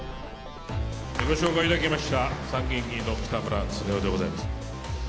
ご紹介いただきました参議院議員の北村経夫でございます。